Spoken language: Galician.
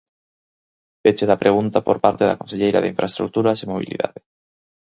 Peche da pregunta por parte da conselleira de Infraestruturas e Mobilidade.